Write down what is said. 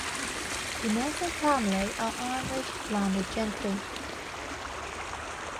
The Maunsell family are Irish landed gentry.